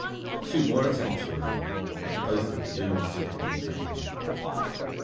Two more attempts were made, but both were doomed to end in failure.